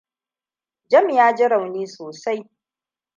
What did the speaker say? Jami ta ji rauni sosai.